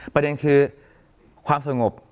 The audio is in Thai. ประเด็นคือความสงบ